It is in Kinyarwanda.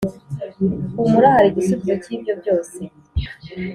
Humura hari igisubizo cyibyo byose